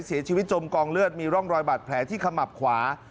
เสียชีวิตจมกองเลือดมีร่องรอยบัตรแผลที่ขมับขวา